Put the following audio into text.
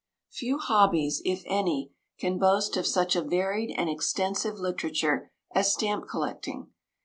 Few hobbies, if any, can boast of such a varied and extensive literature as stamp collecting.